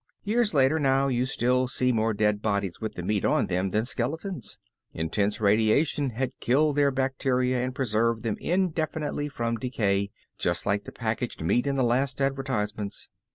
Years later now you still see more dead bodies with the meat on them than skeletons. Intense radiation has killed their bacteria and preserved them indefinitely from decay, just like the packaged meat in the last advertisements.